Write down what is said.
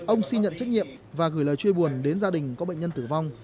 ông xin nhận trách nhiệm và gửi lời chia buồn đến gia đình có bệnh nhân tử vong